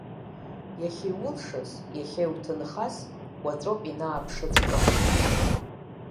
Иахьа иулшаз, иахьа иуҭынхаз уаҵәоуп ианааԥшыҵәҟьо.